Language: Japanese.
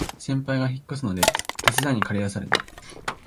先輩が引っ越すので手伝いにかり出された